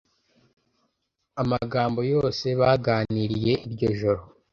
Amagambo yose baganiriye iryo joro,